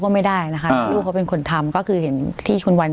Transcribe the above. ก็ไม่ได้นะคะลูกเขาเป็นคนทำก็คือเห็นที่ชุนวัน